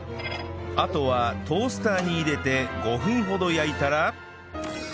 あとはトースターに入れて５分ほど焼いたら